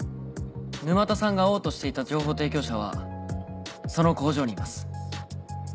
沼田さんが会おうとしていた情報提供者はその工場にいます。